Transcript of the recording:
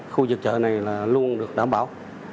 khu vực chợ này là luôn được đảm bảo